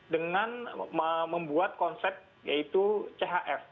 dengan membuat konsep yaitu chf